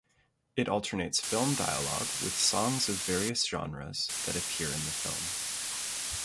It alternates film dialogue with songs of various genres that appear in the film.